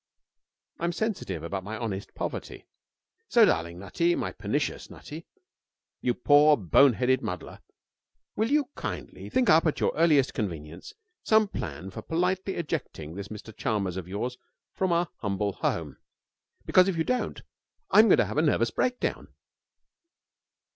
I am sensitive about my honest poverty. So, darling Nutty, my precious Nutty, you poor boneheaded muddler, will you kindly think up at your earliest convenience some plan for politely ejecting this Mr Chalmers of yours from our humble home? because if you don't, I'm going to have a nervous breakdown.'